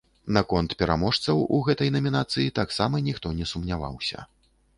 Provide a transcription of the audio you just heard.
Наконт пераможцаў у гэтай намінацыі таксама ніхто не сумняваўся.